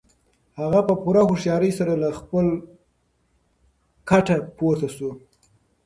هغه په پوره هوښیارۍ سره له خپل کټه پورته شو.